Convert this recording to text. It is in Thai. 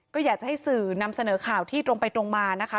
ก็อยากจะให้สื่อนำเสนอข่าวที่ตรงไปตรงมานะคะ